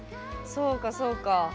そうかそうか。